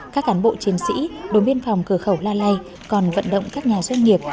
các cán bộ chiến sĩ đồn biên phòng cửa khẩu la lai còn vận động các nhà doanh nghiệp